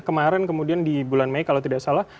kemarin kemudian di bulan mei kalau tidak salah